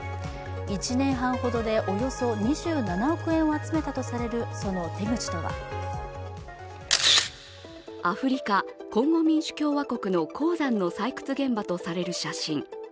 １年半ほどでおよそ２７億円を集めたとされるその手口とはアフリカ・コンゴ民主共和国の鉱山の採掘現場とされる写真。